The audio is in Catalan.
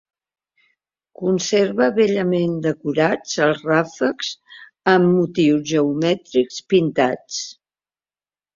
Conserva bellament decorats els ràfecs amb motius geomètrics pintats.